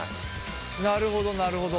なるほどなるほど。